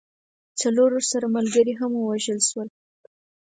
څلور ورسره ملګري هم ووژل سول.